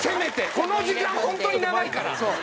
この時間本当に長いから。